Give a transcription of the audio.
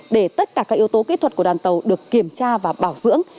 để tất cả các yếu tố kỹ thuật của đoàn tàu được kiểm tra và bảo dưỡng